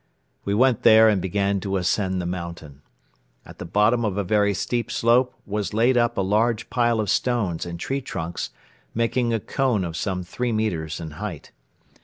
We went there and began to ascend the mountain. At the bottom of a very steep slope was laid up a large pile of stones and tree trunks, making a cone of some three metres in height.